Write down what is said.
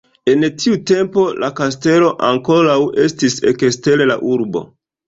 En tiu tempo la kastelo ankoraŭ estis ekster la urbo.